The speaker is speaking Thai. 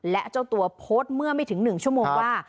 และเจ้าตัวโพสต์เมื่อไม่ถึง๑ชั่วโมงว่า